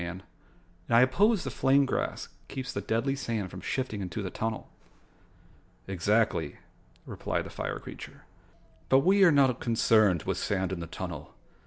"And I suppose the flame grass keeps the deadly sand from shifting into the tunnel." "Exactly," replied the fire creature. "But we are not concerned with sand in the tunnel.